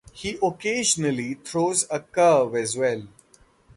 He occasionally throws a curve as well.